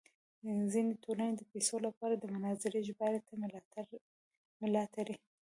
ځینې ټولنې د پیسو لپاره د مناظرې ژباړې ته ملا تړي.